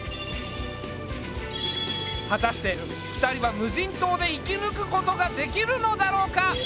果たして２人は無人島で生き抜くことができるのだろうか？